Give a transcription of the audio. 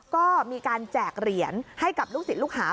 ก็มีการแจกเหรียญให้กับลูกศิษย์ลูกหา